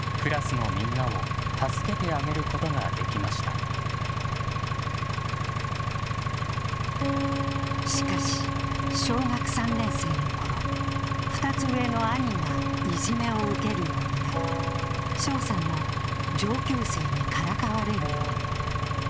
通知表にはしかし小学３年生のころ２つ上の兄がいじめを受けるようになり翔さんも上級生にからかわれるように。